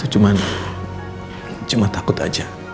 pak itu cuma takut aja